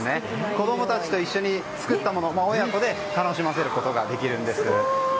子供たちと一緒に作ったものを親子で楽しませることができるんです。